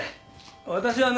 私はね